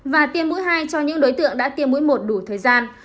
và tiêm mũi hai cho những đối tượng đã tiêm mũi một đủ thời gian